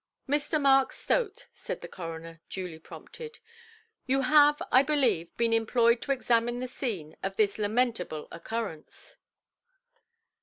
"Mr. Mark Stote", said the coroner, duly prompted, "you have, I believe, been employed to examine the scene of this lamentable occurrence"?